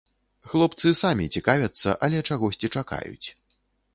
Хлопцы самі цікавяцца, але чагосьці чакаюць.